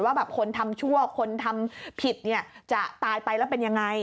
ว่าคนทำชั่วคนทำผิดจะตายไปแล้วเป็นอย่างไร